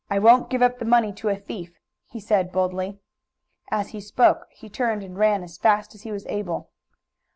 "I won't give up the money to a thief!" he said boldly. As he spoke he turned and ran as fast as he was able.